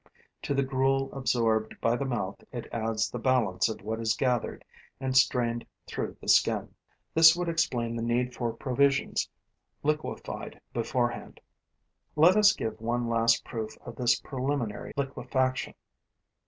To the gruel absorbed by the mouth it adds the balance of what is gathered and strained through the skin. This would explain the need for provisions liquefied beforehand. Let us give one last proof of this preliminary liquefaction.